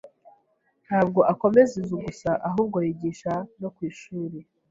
Ntabwo akomeza inzu gusa, ahubwo yigisha no ku ishuri.